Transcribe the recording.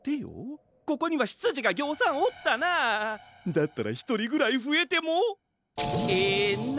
だったらひとりぐらいふえてもエナ。